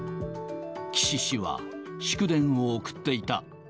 岸氏は、祝電を送っていた。